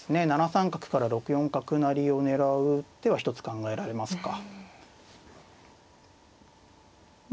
７三角から６四角成を狙う手は一つ考えられますか。